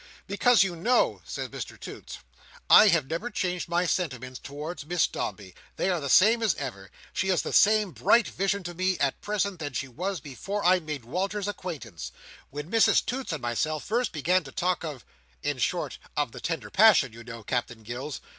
"Because you know," says Mr Toots, "I have never changed my sentiments towards Miss Dombey. They are the same as ever. She is the same bright vision to me, at present, that she was before I made Walters's acquaintance. When Mrs Toots and myself first began to talk of—in short, of the tender passion, you know, Captain Gills."